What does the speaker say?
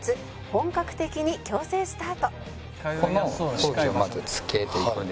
本格的に矯正スタート」